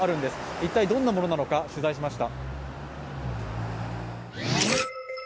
一体、どんなものなのか取材しました。